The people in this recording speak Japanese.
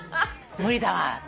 無理だわ私。